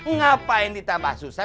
ngapain ditambah susah